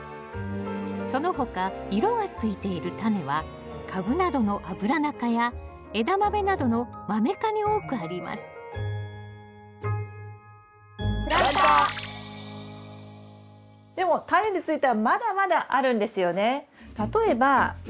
その他色がついているタネはカブなどのアブラナ科やエダマメなどのマメ科に多くありますでもタネについてはまだまだあるんですよね。